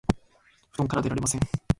布団から出られません